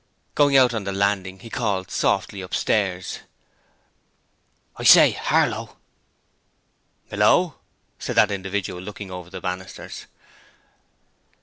Going out on the landing he called softly upstairs. 'I say, Harlow.' 'Hallo,' said that individual, looking over the banisters.